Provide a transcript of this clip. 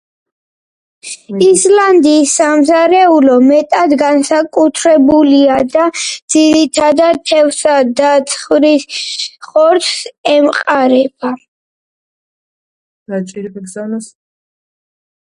ისლანდიის სამზარეულო მეტად განსაკუთრებულია და ძირითადად, თევზსა და ცხვრის ხორცს ემყარება.